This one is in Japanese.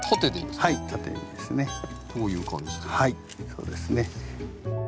そうですね。